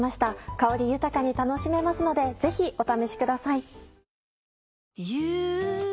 香り豊かに楽しめますのでぜひお試しください。